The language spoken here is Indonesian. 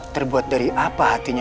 terbuat dari apa hatinya